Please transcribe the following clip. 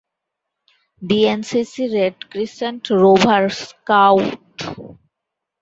BNCC, red crescent, rover scout